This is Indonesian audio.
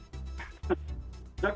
saya kalau kemarin